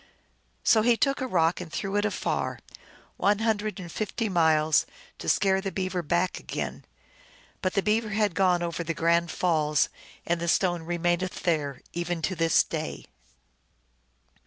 So he took a rock and threw it afar, 2 one hundred and fifty miles, to scare the Beaver back again ; but the Beaver had gone over the Grand Falls and the stone remaineth there even to this day.